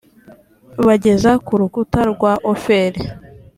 bageza ku rukuta rwa ofeli